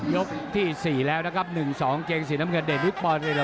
ยกที่๔แล้วนะครับ๑๒เจงสีน้ำเงินเดทลิกบอล